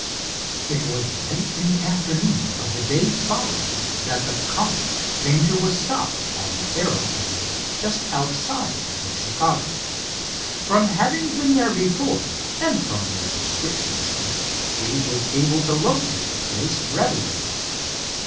It was late in the afternoon of the day following that the Comet came to a stop on the aero grounds just outside of Chicago. From having been there before and from their description chart, Dave was able to locate the place readily.